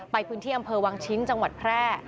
ไปพื้นที่อำเภอวังชิ้นจังหวัดแพร่